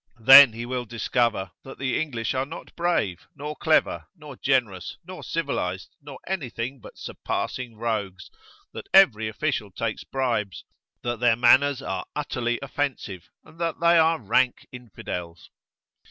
Then he will discover that the English are not brave, nor clever, nor generous, nor civilised, nor anything but surpassing rogues; that every official takes bribes, that their manners are utterly offensive, and that they are rank infidels.